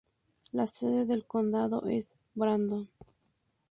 La sede del condado es Brandon.